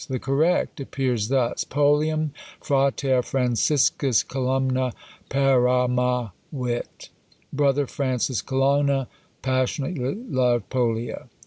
The correct appears thus: POLIAM FRATER FRANCISCUS COLUMNA PERAMAVIT. "Brother Francis Colonna passionately loved Polia."